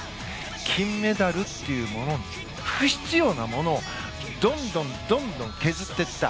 金メダルというもの不必要なものをどんどん削っていった。